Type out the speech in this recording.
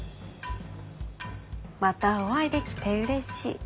またお会いできてうれしい。